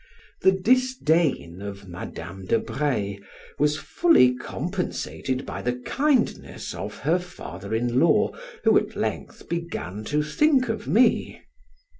The disdain of Madam de Breil was fully compensated by the kindness of her father in law, who at length began to think of me.